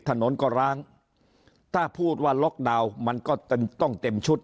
ถนนก็ร้างถ้าพูดว่าล็อกดาวน์มันก็ต้องเต็มชุด